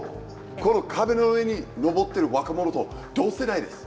この壁の上に登ってる若者と同世代です。